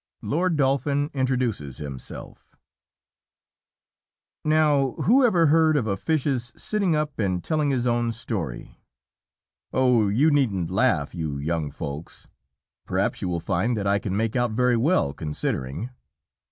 LORD DOLPHIN INTRODUCES HIMSELF Now who ever heard of a fish's sitting up and telling his own story! Oh, you needn't laugh, you young Folks, perhaps you will find that I can make out very well, considering.